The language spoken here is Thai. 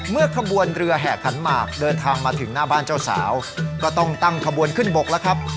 ขบวนเรือแห่ขันหมากเดินทางมาถึงหน้าบ้านเจ้าสาวก็ต้องตั้งขบวนขึ้นบกแล้วครับ